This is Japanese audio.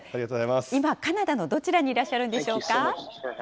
今、カナダのどちらにいらっしゃるんでしょうか。